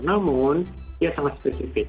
namun dia sangat spesifik